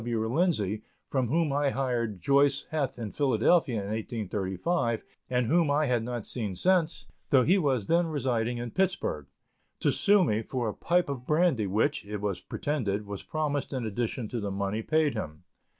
W. Lindsay, from whom I hired Joice Heth in Philadelphia in 1835, and whom I had not seen since, though he was then residing in Pittsburg, to sue me for a pipe of brandy which, it was pretended, was promised in addition to the money paid him.